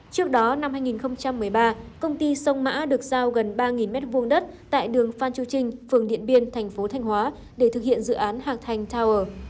trước đó năm hai nghìn một mươi ba công ty sông mã được giao gần ba m hai đất tại đường phan chu trinh phường điện biên thành phố thanh hóa để thực hiện dự án hạc thành tower